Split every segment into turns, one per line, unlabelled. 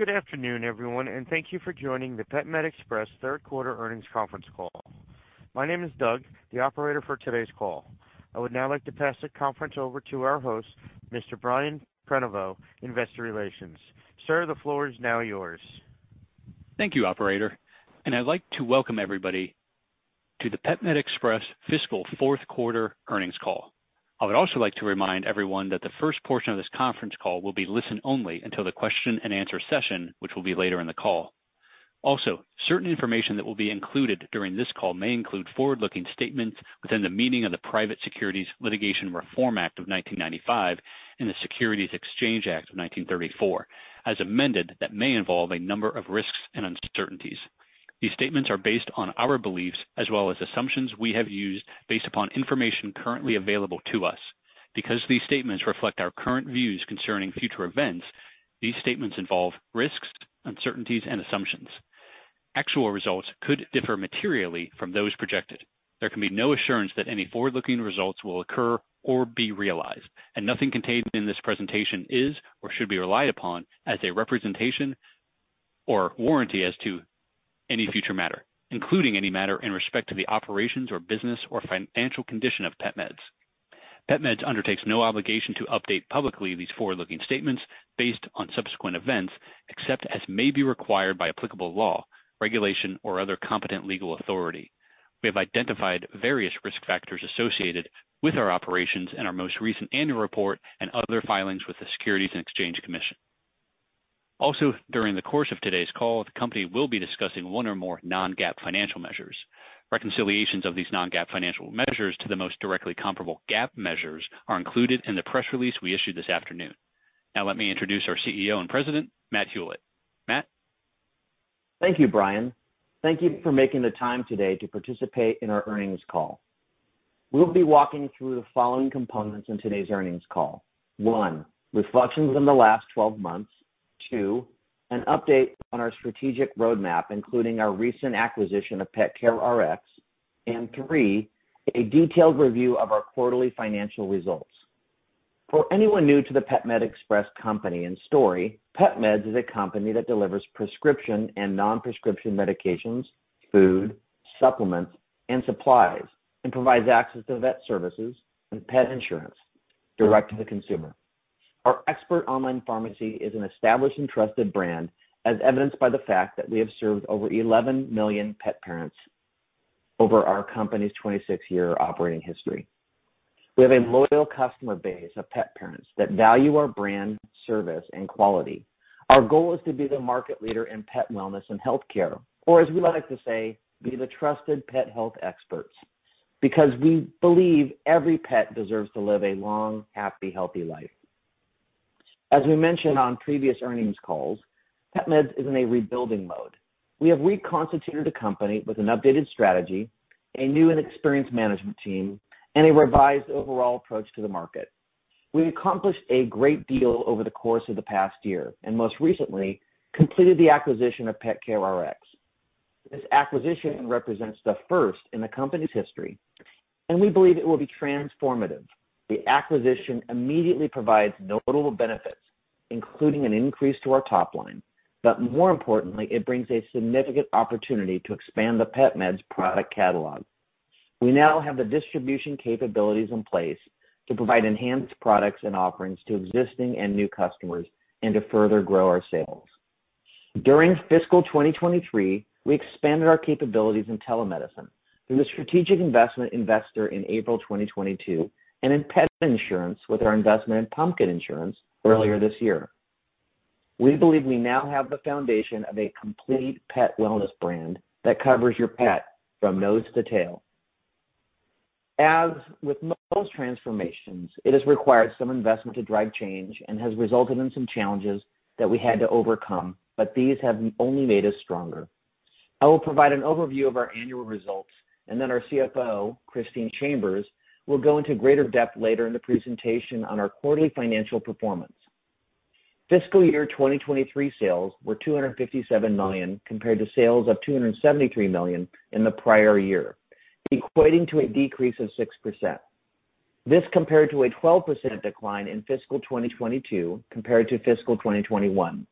Good afternoon, everyone, thank you for joining the PetMed Express third quarter earnings conference call. My name is Doug, the operator for today's call. I would now like to pass the conference over to our host, Mr. Brian Prenoveau, Investor Relations. Sir, the floor is now yours.
Thank you, operator, I'd like to welcome everybody to the PetMed Express fiscal fourth quarter earnings call. I would also like to remind everyone that the first portion of this conference call will be listen only until the question-and-answer session, which will be later in the call. Certain information that will be included during this call may include forward-looking statements within the meaning of the Private Securities Litigation Reform Act of 1995 and the Securities Exchange Act of 1934, as amended, that may involve a number of risks and uncertainties. These statements are based on our beliefs as well as assumptions we have used based upon information currently available to us. Because these statements reflect our current views concerning future events, these statements involve risks, uncertainties, and assumptions. Actual results could differ materially from those projected. There can be no assurance that any forward-looking results will occur or be realized, and nothing contained in this presentation is or should be relied upon as a representation or warranty as to any future matter, including any matter in respect to the operations or business or financial condition of PetMeds. PetMeds undertakes no obligation to update publicly these forward-looking statements based on subsequent events, except as may be required by applicable law, regulation, or other competent legal authority. We have identified various risk factors associated with our operations in our most recent annual report and other filings with the Securities and Exchange Commission. Also, during the course of today's call, the company will be discussing one or more non-GAAP financial measures. Reconciliations of these non-GAAP financial measures to the most directly comparable GAAP measures are included in the press release we issued this afternoon. Now let me introduce our CEO and President, Matt Hulett. Matt?
Thank you, Brian. Thank you for making the time today to participate in our earnings call. We will be walking through the following components in today's earnings call. one, reflections on the last 12 months. two, an update on our strategic roadmap, including our recent acquisition of PetCareRx. three, a detailed review of our quarterly financial results. For anyone new to the PetMed Express company and story, PetMeds is a company that delivers prescription and non-prescription medications, food, supplements, and supplies, and provides access to vet services and pet insurance direct to the consumer. Our expert online pharmacy is an established and trusted brand, as evidenced by the fact that we have served over 11 million pet parents over our company's 26-year operating history. We have a loyal customer base of pet parents that value our brand, service, and quality. Our goal is to be the market leader in pet wellness and healthcare. As we like to say, be the trusted pet health experts, because we believe every pet deserves to live a long, happy, healthy life. As we mentioned on previous earnings calls, PetMeds is in a rebuilding mode. We have reconstituted the company with an updated strategy, a new and experienced management team, and a revised overall approach to the market. We accomplished a great deal over the course of the past year, and most recently completed the acquisition of PetCareRx. This acquisition represents the first in the company's history, and we believe it will be transformative. The acquisition immediately provides notable benefits, including an increase to our top line. More importantly, it brings a significant opportunity to expand the PetMeds product catalog. We now have the distribution capabilities in place to provide enhanced products and offerings to existing and new customers and to further grow our sales. During fiscal 2023, we expanded our capabilities in telemedicine through a strategic investment Vetster in April 2022 and in pet insurance with our investment in Pumpkin Insurance earlier this year. We believe we now have the foundation of a complete pet wellness brand that covers your pet from nose to tail. As with most transformations, it has required some investment to drive change and has resulted in some challenges that we had to overcome. These have only made us stronger. I will provide an overview of our annual results. Then our CFO, Christine Chambers, will go into greater depth later in the presentation on our quarterly financial performance. Fiscal year 2023 sales were $257 million, compared to sales of $273 million in the prior year, equating to a decrease of 6%. This compared to a 12% decline in fiscal 2022 compared to fiscal 2021.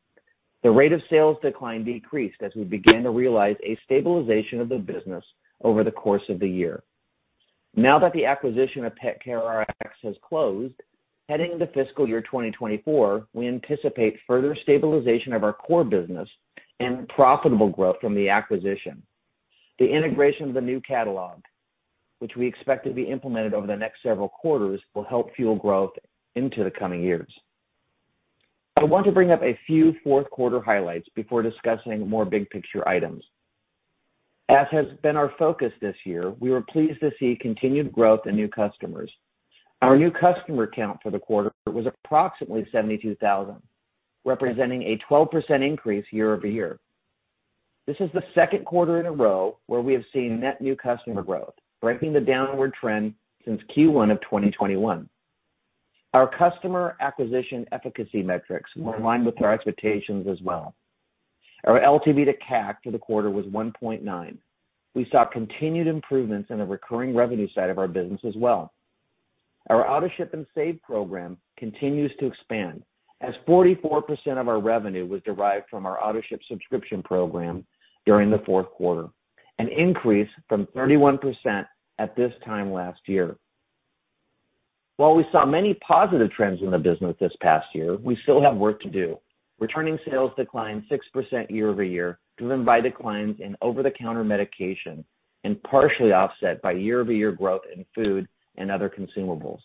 The rate of sales decline decreased as we began to realize a stabilization of the business over the course of the year. Now that the acquisition of PetCareRx has closed, heading into fiscal year 2024, we anticipate further stabilization of our core business and profitable growth from the acquisition. The integration of the new catalog, which we expect to be implemented over the next several quarters, will help fuel growth into the coming years. I want to bring up a few fourth quarter highlights before discussing more big-picture items. As has been our focus this year, we were pleased to see continued growth in new customers. Our new customer count for the quarter was approximately 72,000, representing a 12% increase year-over-year. This is the second quarter in a row where we have seen net new customer growth, breaking the downward trend since Q1 of 2021. Our customer acquisition efficacy metrics were in line with our expectations as well. Our LTV to CAC for the quarter was 1.9. We saw continued improvements in the recurring revenue side of our business as well. Our AutoShip & Save program continues to expand as 44% of our revenue was derived from our Autoship subscription program during the fourth quarter, an increase from 31% at this time last year. While we saw many positive trends in the business this past year, we still have work to do. Returning sales declined 6% year-over-year, driven by declines in over-the-counter medication and partially offset by year-over-year growth in food and other consumables.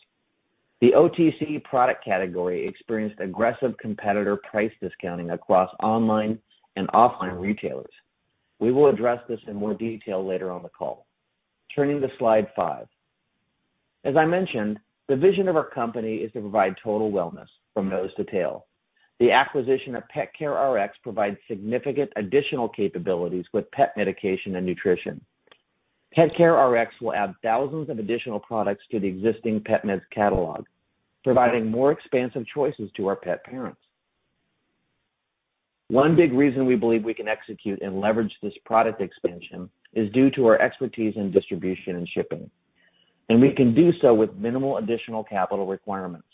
The OTC product category experienced aggressive competitor price discounting across online and offline retailers. We will address this in more detail later on the call. Turning to slide five. As I mentioned, the vision of our company is to provide total wellness from nose to tail. The acquisition of PetCareRx provides significant additional capabilities with pet medication and nutrition. PetCareRx will add thousands of additional products to the existing PetMeds catalog, providing more expansive choices to our pet parents. One big reason we believe we can execute and leverage this product expansion is due to our expertise in distribution and shipping. We can do so with minimal additional capital requirements.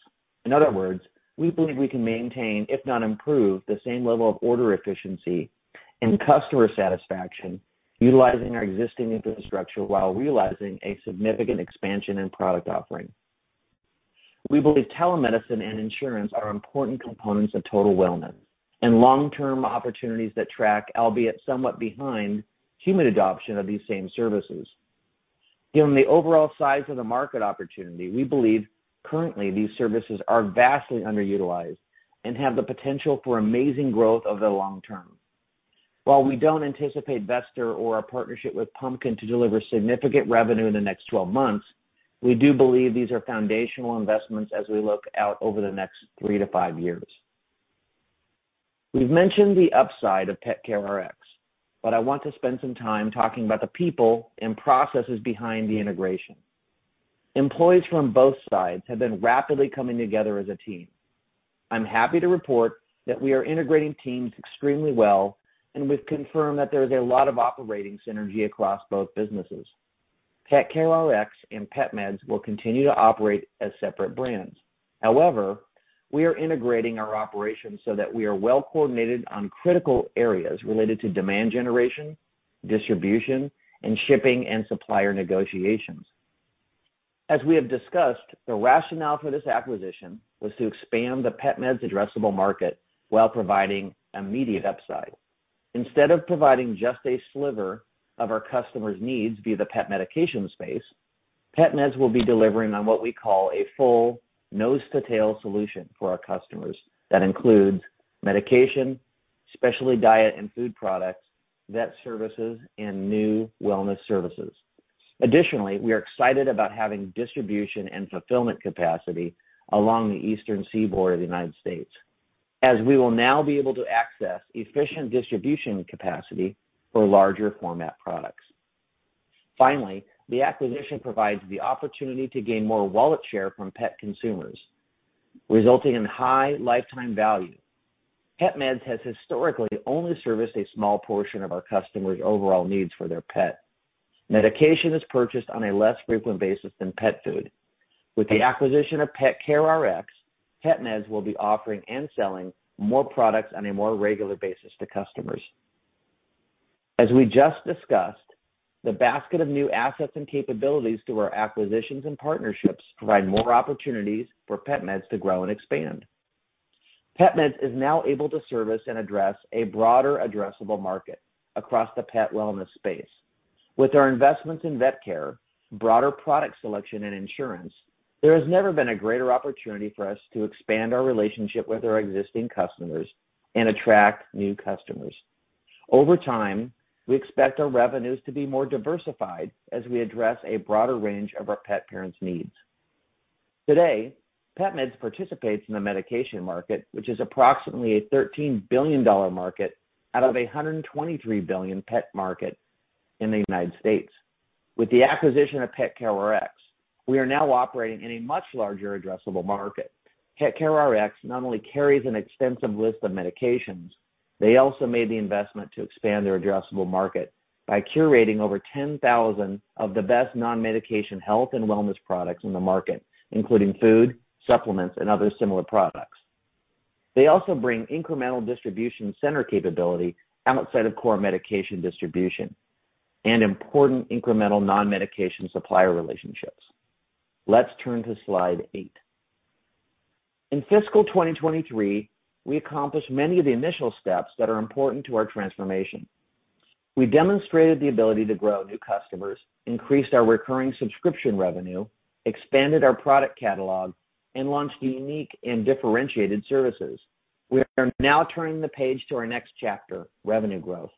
In other words, we believe we can maintain, if not improve, the same level of order efficiency and customer satisfaction utilizing our existing infrastructure while realizing a significant expansion in product offering. We believe telemedicine and insurance are important components of total wellness and long-term opportunities that track, albeit somewhat behind, human adoption of these same services. Given the overall size of the market opportunity, we believe currently these services are vastly underutilized and have the potential for amazing growth over the long term. While we don't anticipate Vetster or our partnership with Pumpkin to deliver significant revenue in the next 12 months, we do believe these are foundational investments as we look out over the next three to five years. We've mentioned the upside of PetCareRx, but I want to spend some time talking about the people and processes behind the integration. Employees from both sides have been rapidly coming together as a team. I'm happy to report that we are integrating teams extremely well and we've confirmed that there is a lot of operating synergy across both businesses. PetCareRx and PetMeds will continue to operate as separate brands. However, we are integrating our operations so that we are well-coordinated on critical areas related to demand generation, distribution, and shipping and supplier negotiations. As we have discussed, the rationale for this acquisition was to expand the PetMeds addressable market while providing immediate upside. Instead of providing just a sliver of our customers' needs via the pet medication space, PetMeds will be delivering on what we call a full nose-to-tail solution for our customers. That includes medication, specialty diet and food products, vet services, and new wellness services. Additionally, we are excited about having distribution and fulfillment capacity along the eastern seaboard of the United States, as we will now be able to access efficient distribution capacity for larger format products. Finally, the acquisition provides the opportunity to gain more wallet share from pet consumers, resulting in high lifetime value. PetMeds has historically only serviced a small portion of our customers' overall needs for their pet. Medication is purchased on a less frequent basis than pet food. With the acquisition of PetCareRx, PetMeds will be offering and selling more products on a more regular basis to customers. As we just discussed, the basket of new assets and capabilities through our acquisitions and partnerships provide more opportunities for PetMeds to grow and expand. PetMeds is now able to service and address a broader addressable market across the pet wellness space. With our investments in vet care, broader product selection and insurance, there has never been a greater opportunity for us to expand our relationship with our existing customers and attract new customers. Over time, we expect our revenues to be more diversified as we address a broader range of our pet parents' needs. Today, PetMeds participates in the medication market, which is approximately a $13 billion market out of a $123 billion pet market in the United States. With the acquisition of PetCareRx, we are now operating in a much larger addressable market. PetCareRx not only carries an extensive list of medications, they also made the investment to expand their addressable market by curating over 10,000 of the best non-medication health and wellness products in the market, including food, supplements, and other similar products. They also bring incremental distribution center capability outside of core medication distribution and important incremental non-medication supplier relationships. Let's turn to slide eight. In fiscal 2023, we accomplished many of the initial steps that are important to our transformation. We demonstrated the ability to grow new customers, increased our recurring subscription revenue, expanded our product catalog, and launched unique and differentiated services. We are now turning the page to our next chapter, revenue growth.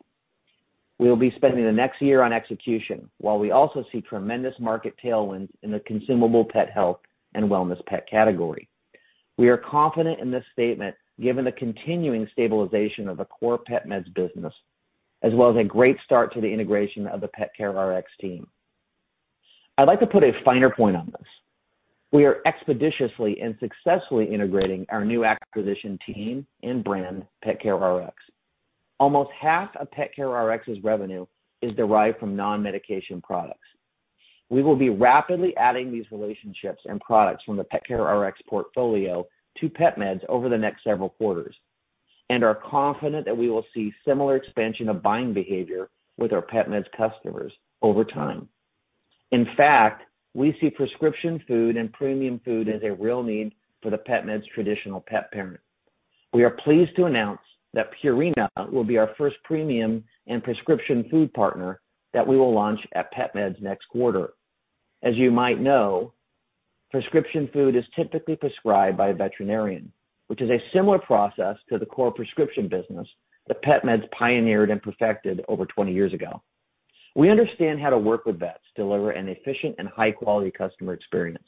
We will be spending the next year on execution, while we also see tremendous market tailwinds in the consumable pet health and wellness pet category. We are confident in this statement given the continuing stabilization of the core PetMeds business, as well as a great start to the integration of the PetCareRx team. I'd like to put a finer point on this. We are expeditiously and successfully integrating our new acquisition team and brand, PetCareRx. Almost half of PetCareRx's revenue is derived from non-medication products. We will be rapidly adding these relationships and products from the PetCareRx portfolio to PetMeds over the next several quarters and are confident that we will see similar expansion of buying behavior with our PetMeds customers over time. In fact, we see prescription food and premium food as a real need for the PetMeds traditional pet parent. We are pleased to announce that Purina will be our first premium and prescription food partner that we will launch at PetMeds next quarter. As you might know, prescription food is typically prescribed by a veterinarian, which is a similar process to the core prescription business that PetMeds pioneered and perfected over 20 years ago. We understand how to work with vets, deliver an efficient and high-quality customer experience.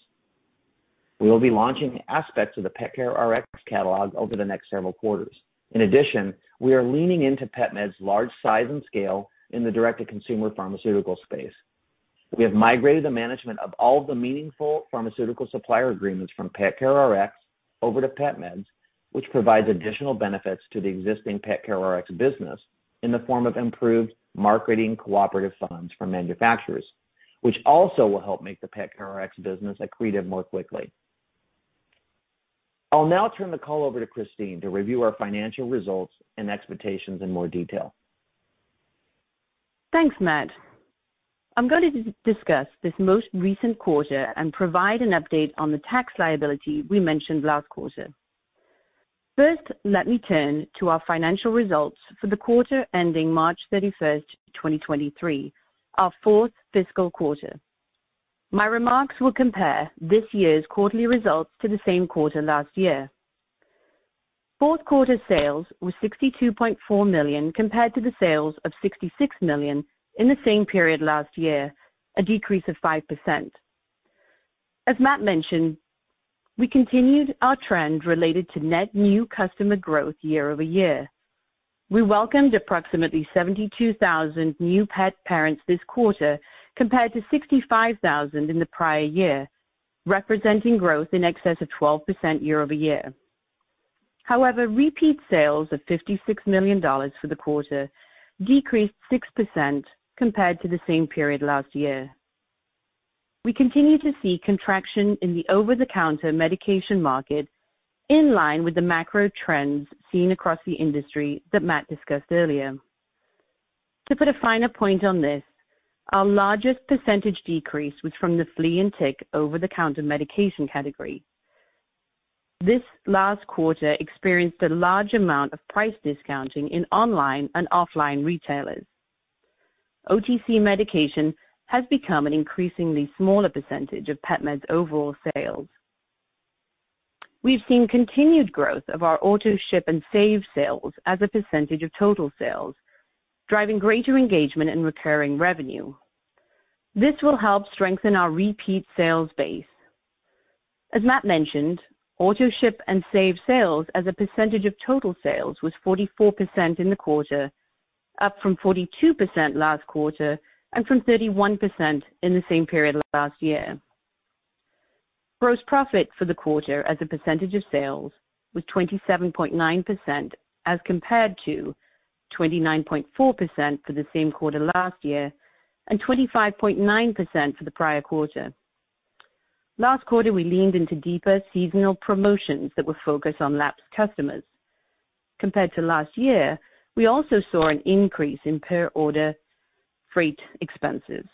We will be launching aspects of the PetCareRx catalog over the next several quarters. We are leaning into PetMeds' large size and scale in the direct-to-consumer pharmaceutical space. We have migrated the management of all the meaningful pharmaceutical supplier agreements from PetCareRx over to PetMeds, which provides additional benefits to the existing PetCareRx business in the form of improved marketing cooperative funds from manufacturers, which also will help make the PetCareRx business accretive more quickly. I'll now turn the call over to Christine to review our financial results and expectations in more detail.
Thanks, Matt. I'm going to discuss this most recent quarter and provide an update on the tax liability we mentioned last quarter. First, let me turn to our financial results for the quarter ending March 31, 2023, our fourth fiscal quarter. My remarks will compare this year's quarterly results to the same quarter last year. Fourth quarter sales were $62.4 million compared to the sales of $66 million in the same period last year, a decrease of 5%. As Matt mentioned, we continued our trend related to net new customer growth year-over-year. We welcomed approximately 72,000 new pet parents this quarter compared to 65,000 in the prior year, representing growth in excess of 12% year-over-year. However, repeat sales of $56 million for the quarter decreased 6% compared to the same period last year. We continue to see contraction in the over-the-counter medication market in line with the macro trends seen across the industry that Matt discussed earlier. To put a finer point on this, our largest percentage decrease was from the flea and tick over-the-counter medication category. This last quarter experienced a large amount of price discounting in online and offline retailers. OTC medication has become an increasingly smaller percentage of PetMeds' overall sales. We've seen continued growth of our AutoShip & Save sales as a percentage of total sales, driving greater engagement and recurring revenue. This will help strengthen our repeat sales base. As Matt mentioned, AutoShip & Save sales as a percentage of total sales was 44% in the quarter, up from 42% last quarter and from 31% in the same period last year. Gross profit for the quarter as a percentage of sales was 27.9% as compared to 29.4% for the same quarter last year and 25.9% for the prior quarter. Last quarter, we leaned into deeper seasonal promotions that were focused on lapsed customers. Compared to last year, we also saw an increase in per order freight expenses.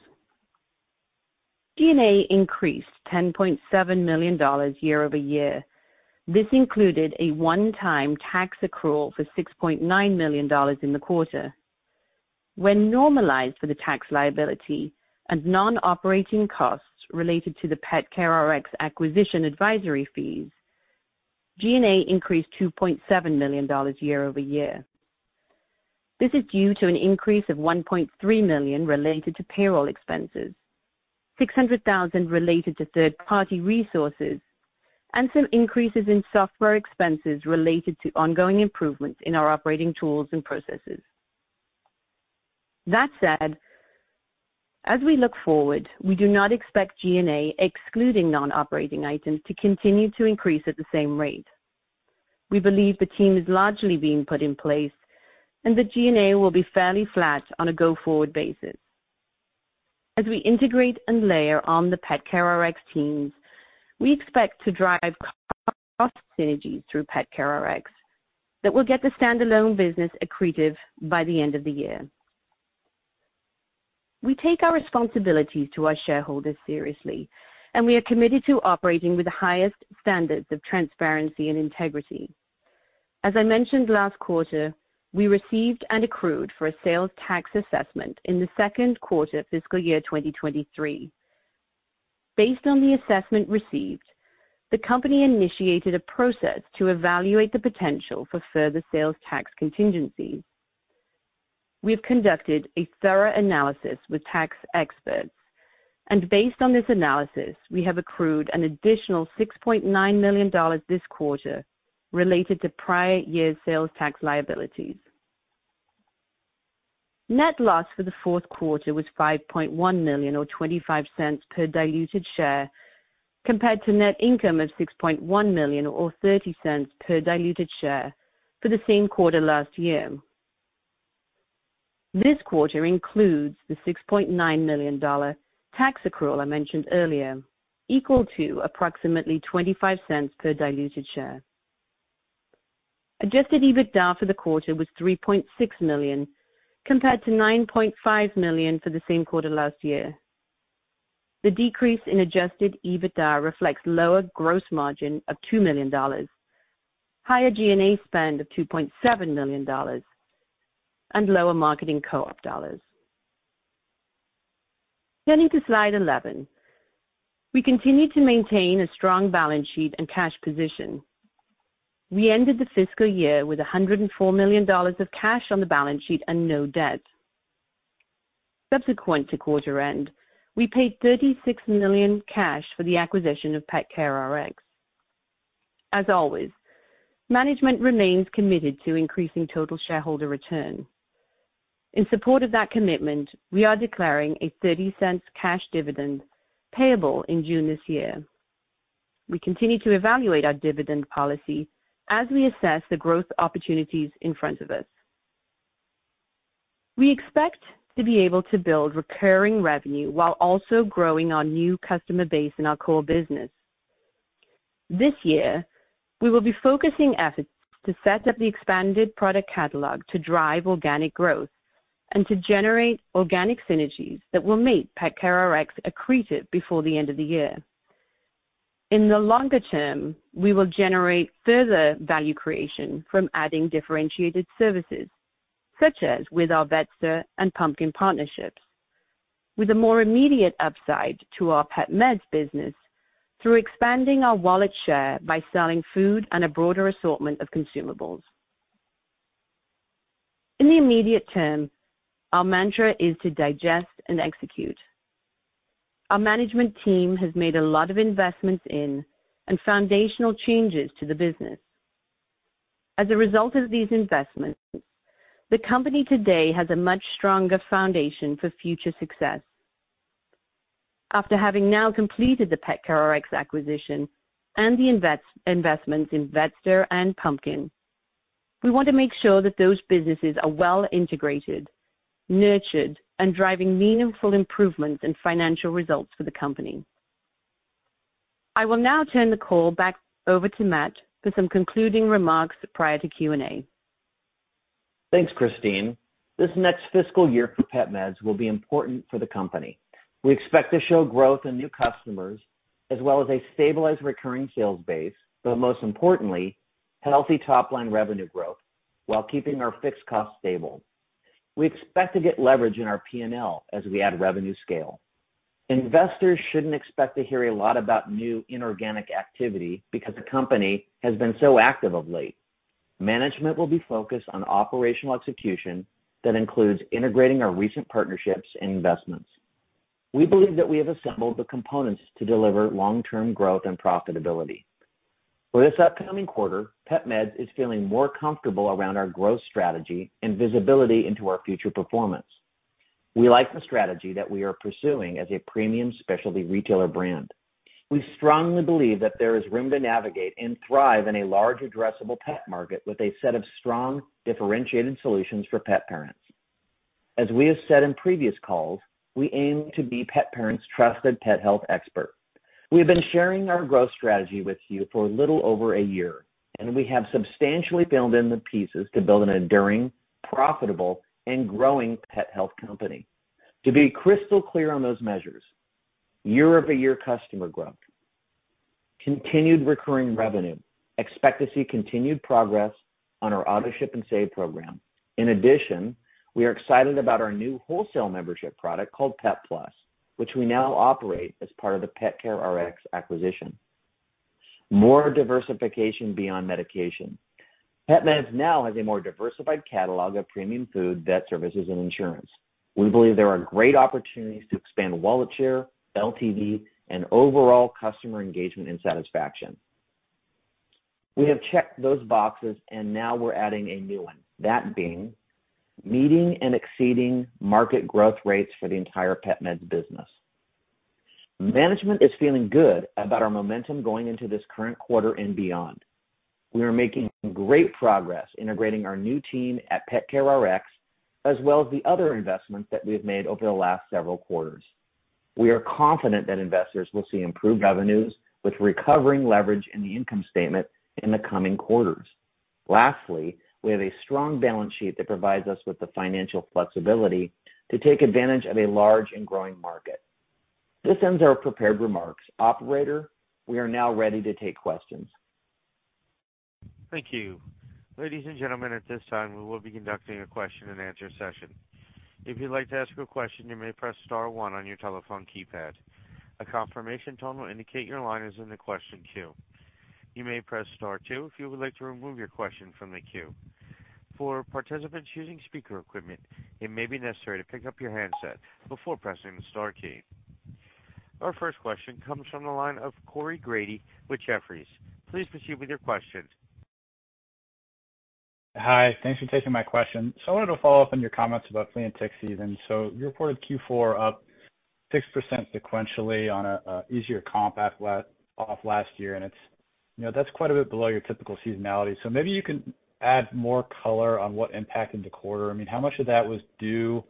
G&A increased $10.7 million year-over-year. This included a one-time tax accrual for $6.9 million in the quarter. When normalized for the tax liability and non-operating costs related to the PetCareRx acquisition advisory fees, G&A increased $2.7 million year-over-year. This is due to an increase of $1.3 million related to payroll expenses, $600,000 related to third-party resources, and some increases in software expenses related to ongoing improvements in our operating tools and processes. As we look forward, we do not expect G&A excluding non-operating items to continue to increase at the same rate. We believe the team is largely being put in place and that G&A will be fairly flat on a go-forward basis. As we integrate and layer on the PetCareRx teams, we expect to drive cost synergies through PetCareRx that will get the standalone business accretive by the end of the year. We take our responsibilities to our shareholders seriously, we are committed to operating with the highest standards of transparency and integrity. As I mentioned last quarter, we received and accrued for a sales tax assessment in the second quarter fiscal year 2023. Based on the assessment received, the company initiated a process to evaluate the potential for further sales tax contingencies. We have conducted a thorough analysis with tax experts and based on this analysis, we have accrued an additional $6.9 million this quarter related to prior year's sales tax liabilities. Net loss for the fourth quarter was $5.1 million or $0.25 per diluted share, compared to net income of $6.1 million or $0.30 per diluted share for the same quarter last year. This quarter includes the $6.9 million tax accrual I mentioned earlier, equal to approximately $0.25 per diluted share. Adjusted EBITDA for the quarter was $3.6 million compared to $9.5 million for the same quarter last year. The decrease in Adjusted EBITDA reflects lower gross margin of $2 million, higher G&A spend of $2.7 million and lower marketing co-op dollars. Turning to slide 11. We continue to maintain a strong balance sheet and cash position. We ended the fiscal year with $104 million of cash on the balance sheet and no debt. Subsequent to quarter end, we paid $36 million cash for the acquisition of PetCareRx. As always, management remains committed to increasing total shareholder return. In support of that commitment, we are declaring a $0.30 cash dividend payable in June this year. We continue to evaluate our dividend policy as we assess the growth opportunities in front of us. We expect to be able to build recurring revenue while also growing our new customer base in our core business. This year, we will be focusing efforts to set up the expanded product catalog to drive organic growth and to generate organic synergies that will make PetCareRx accretive before the end of the year. In the longer term, we will generate further value creation from adding differentiated services, such as with our Vetster and Pumpkin partnerships. With a more immediate upside to our PetMeds business through expanding our wallet share by selling food and a broader assortment of consumables. In the immediate term, our mantra is to digest and execute. Our management team has made a lot of investments in and foundational changes to the business. As a result of these investments, the company today has a much stronger foundation for future success. After having now completed the PetCareRx acquisition and the investments in Vetster and Pumpkin, we want to make sure that those businesses are well integrated, nurtured and driving meaningful improvements in financial results for the company. I will now turn the call back over to Matt for some concluding remarks prior to Q&A.
Thanks, Christine. This next fiscal year for PetMeds will be important for the company. We expect to show growth in new customers as well as a stabilized recurring sales base. Most importantly, healthy top line revenue growth while keeping our fixed costs stable. We expect to get leverage in our PNL as we add revenue scale. Investors shouldn't expect to hear a lot about new inorganic activity because the company has been so active of late. Management will be focused on operational execution that includes integrating our recent partnerships and investments. We believe that we have assembled the components to deliver long-term growth and profitability. For this upcoming quarter, PetMeds is feeling more comfortable around our growth strategy and visibility into our future performance. We like the strategy that we are pursuing as a premium specialty retailer brand. We strongly believe that there is room to navigate and thrive in a large addressable pet market with a set of strong, differentiated solutions for pet parents. As we have said in previous calls, we aim to be pet parents' trusted pet health expert. We have been sharing our growth strategy with you for a little over a year, and we have substantially filled in the pieces to build an enduring, profitable and growing pet health company. To be crystal clear on those measures, year-over-year customer growth, continued recurring revenue. Expect to see continued progress on our AutoShip & Save program. In addition, we are excited about our new wholesale membership product called PetPlus, which we now operate as part of the PetCareRx acquisition. More diversification beyond medication. PetMeds now has a more diversified catalog of premium food, vet services and insurance. We believe there are great opportunities to expand wallet share, LTV and overall customer engagement and satisfaction. We have checked those boxes, and now we're adding a new one. That being meeting and exceeding market growth rates for the entire PetMeds business. Management is feeling good about our momentum going into this current quarter and beyond. We are making great progress integrating our new team at PetCareRx, as well as the other investments that we have made over the last several quarters. We are confident that investors will see improved revenues with recovering leverage in the income statement in the coming quarters. Lastly, we have a strong balance sheet that provides us with the financial flexibility to take advantage of a large and growing market. This ends our prepared remarks. Operator, we are now ready to take questions.
Thank you. Ladies and gentlemen, at this time we will be conducting a question-and-answer session. If you'd like to ask a question, you may press star one on your telephone keypad. A confirmation tone will indicate your line is in the question queue. You may press star two if you would like to remove your question from the queue. For participants using speaker equipment, it may be necessary to pick up your handset before pressing the star key. Our first question comes from the line of Corey Grady with Jefferies. Please proceed with your question.
Hi. Thanks for taking my question. I wanted to follow up on your comments about flea and tick season. You reported Q4 up 6% sequentially on a easier comp off last year, and it's, you know, that's quite a bit below your typical seasonality. Maybe you can add more color on what impacted the quarter. I mean, how much of that was due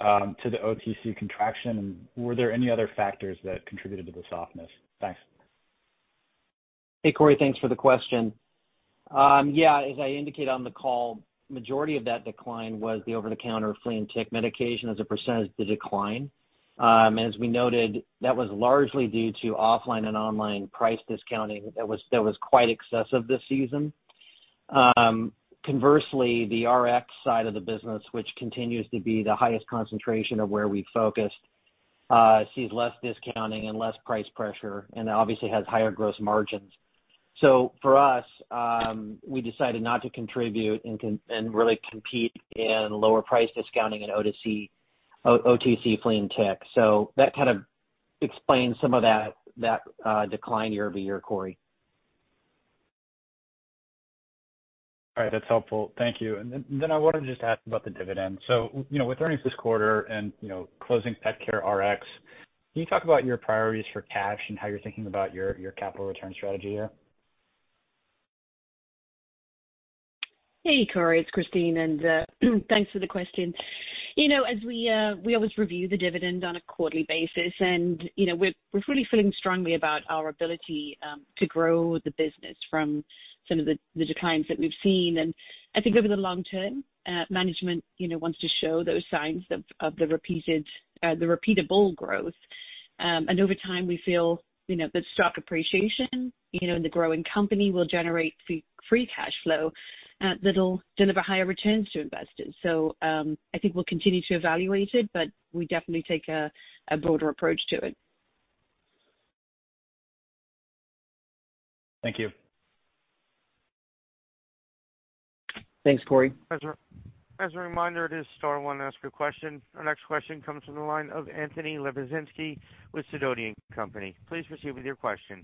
to the OTC contraction, and were there any other factors that contributed to the softness? Thanks.
Hey, Corey. Thanks for the question. Yeah, as I indicated on the call, majority of that decline was the over-the-counter flea and tick medication as a percentage of the decline. As we noted, that was largely due to offline and online price discounting that was quite excessive this season. Conversely, the RX side of the business, which continues to be the highest concentration of where we focused, sees less discounting and less price pressure and obviously has higher gross margins. For us, we decided not to contribute and really compete in lower price discounting in OTC flea and tick. That kind of explains some of that decline year-over-year, Corey.
All right. That's helpful. Thank you. Then I wanna just ask about the dividend. You know, with earnings this quarter and, you know, closing PetCareRx, can you talk about your priorities for cash and how you're thinking about your capital return strategy here?
Hey, Corey, it's Christine, and thanks for the question. You know, as we always review the dividend on a quarterly basis, and, you know, we're really feeling strongly about our ability to grow the business from some of the declines that we've seen. I think over the long term, management, you know, wants to show those signs of the repeated, the repeatable growth. Over time, we feel, you know, the stock appreciation, you know, in the growing company will generate free cash flow that'll deliver higher returns to investors. I think we'll continue to evaluate it, but we definitely take a broader approach to it.
Thank you.
Thanks, Corey.
As a reminder, it is star one to ask a question. Our next question comes from the line of Anthony Lebiedzinski with Sidoti & Company. Please proceed with your question.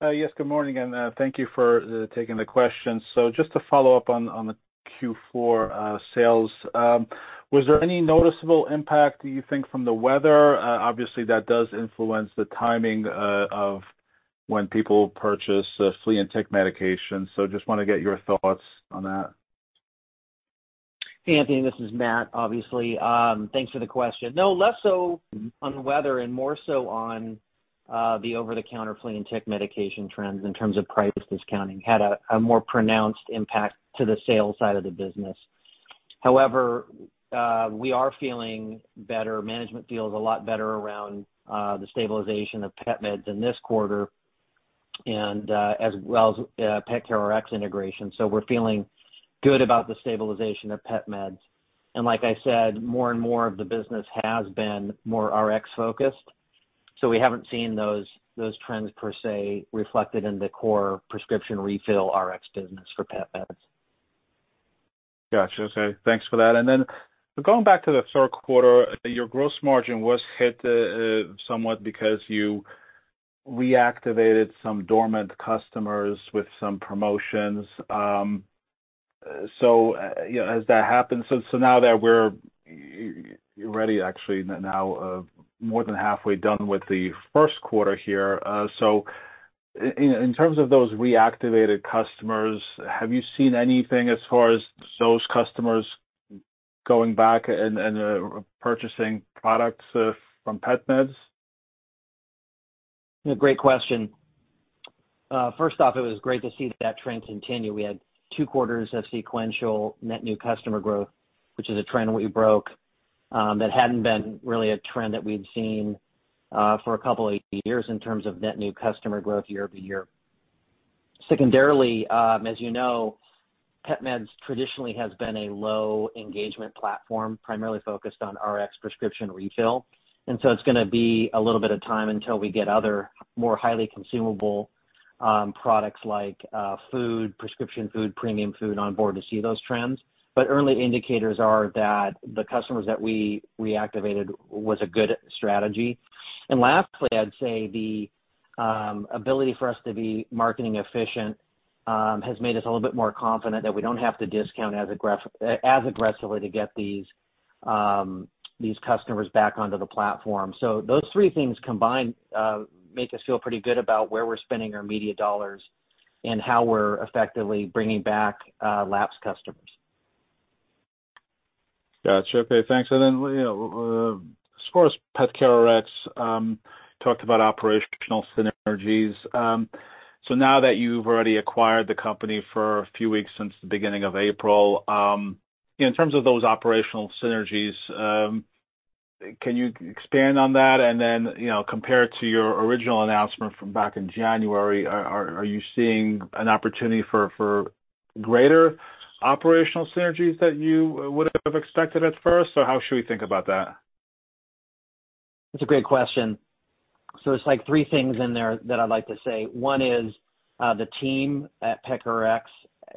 Yes, good morning, and thank you for taking the questions. Just to follow up on the Q4 sales, was there any noticeable impact, do you think, from the weather? Obviously, that does influence the timing of when people purchase flea and tick medication. Just wanna get your thoughts on that.
Hey, Anthony. This is Matt, obviously. Thanks for the question. No, less so on weather and more so on the over-the-counter flea and tick medication trends in terms of price discounting had a more pronounced impact to the sales side of the business. We are feeling better. Management feels a lot better around the stabilization of PetMeds in this quarter and as well as PetCareRx integration. We're feeling good about the stabilization of PetMeds. Like I said, more and more of the business has been more Rx-focused. We haven't seen those trends per se reflected in the core prescription refill Rx business for PetMeds.
Gotcha. Okay. Thanks for that. Going back to the third quarter, your gross margin was hit somewhat because you reactivated some dormant customers with some promotions. You know, as that happens... now that we're, you're already actually now more than halfway done with the first quarter here, in terms of those reactivated customers, have you seen anything as far as those customers going back and purchasing products from PetMeds?
Great question. first off, it was great to see that trend continue. We had two quarters of sequential net new customer growth, which is a trend we broke, that hadn't been really a trend that we'd seen, for a couple of years in terms of net new customer growth year-over-year. Secondarily, as you know, PetMeds traditionally has been a low engagement platform, primarily focused on Rx prescription refill. So it's gonna be a little bit of time until we get other more highly consumable products like food, prescription food, premium food on board to see those trends. Early indicators are that the customers that we reactivated was a good strategy. Lastly, I'd say the ability for us to be marketing efficient has made us a little bit more confident that we don't have to discount as aggressively to get these customers back onto the platform. Those three things combined make us feel pretty good about where we're spending our media dollars and how we're effectively bringing back lapsed customers.
Gotcha. Okay, thanks. Then, you know, as far as PetCareRx, talked about operational synergies. Now that you've already acquired the company for a few weeks since the beginning of April, in terms of those operational synergies, can you expand on that? Then, you know, compare it to your original announcement from back in January, are you seeing an opportunity for greater operational synergies that you would have expected at first, or how should we think about that?
That's a great question. It's like three things in there that I'd like to say. One is, the team at PetCareRx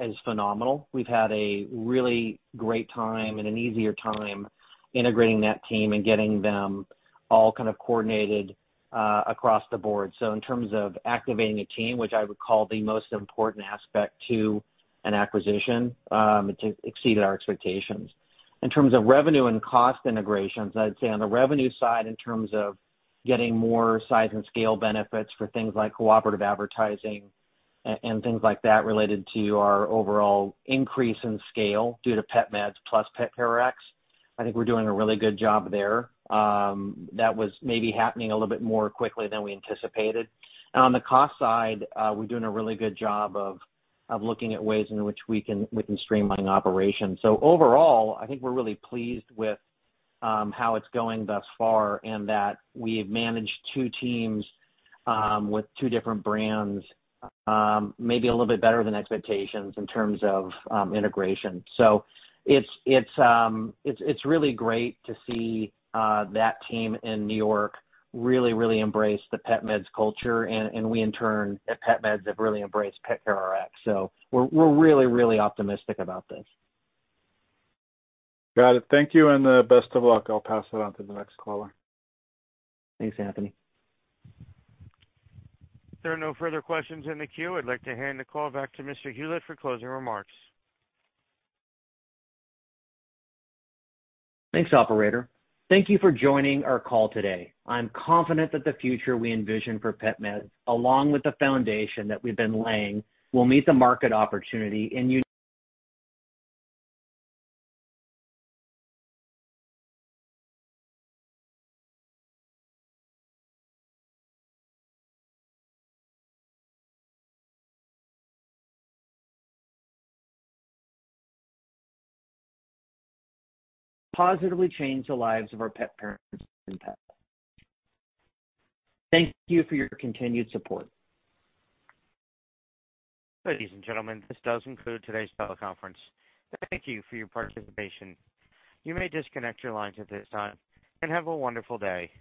is phenomenal. We've had a really great time and an easier time integrating that team and getting them all kind of coordinated across the board. In terms of activating a team, which I would call the most important aspect to an acquisition, it exceeded our expectations. In terms of revenue and cost integrations, I'd say on the revenue side, in terms of getting more size and scale benefits for things like cooperative advertising and things like that related to our overall increase in scale due to PetMeds + PetCareRx, I think we're doing a really good job there. That was maybe happening a little bit more quickly than we anticipated. On the cost side, we're doing a really good job of looking at ways in which we can streamline operations. Overall, I think we're really pleased with how it's going thus far and that we've managed two teams with two different brands maybe a little bit better than expectations in terms of integration. It's really great to see that team in New York really embrace the PetMeds culture. We in turn at PetMeds have really embraced PetCareRx. We're really optimistic about this.
Got it. Thank you and best of luck. I'll pass it on to the next caller.
Thanks, Anthony.
There are no further questions in the queue. I'd like to hand the call back to Mr. Hulett for closing remarks.
Thanks, operator. Thank you for joining our call today. I'm confident that the future we envision for PetMeds, along with the foundation that we've been laying, will meet the market opportunity and positively change the lives of our pet parents and pets. Thank you for your continued support.
Ladies and gentlemen, this does conclude today's teleconference. Thank you for your participation. You may disconnect your lines at this time, and have a wonderful day.